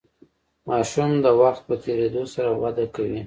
ماشوم د وخت په تیریدو سره وده کوي.